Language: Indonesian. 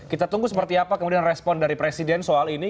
kita tunggu seperti apa kemudian respon dari presiden soal ini